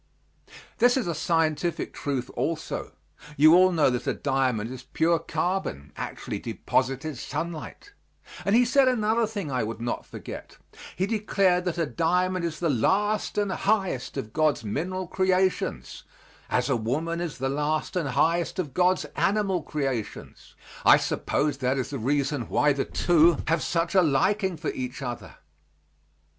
This is a scientific truth also. You all know that a diamond is pure carbon, actually deposited sunlight and he said another thing I would not forget: he declared that a diamond is the last and highest of God's mineral creations, as a woman is the last and highest of God's animal creations. I suppose that is the reason why the two have such a liking for each other.